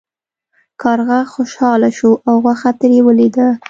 کارغه خوشحاله شو او غوښه ترې ولویده.